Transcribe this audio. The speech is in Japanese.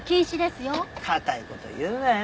堅い事言うなよ。